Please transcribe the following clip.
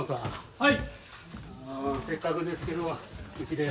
はい。